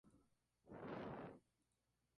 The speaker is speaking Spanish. Tiene como capital provincial la ciudad homónima.